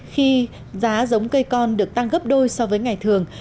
khi giá giống cây con được tăng gấp đôi so với ngày thường